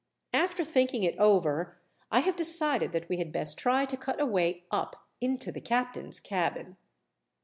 After thinking it over, I have decided that we had best try to cut a way up into the captain's cabin."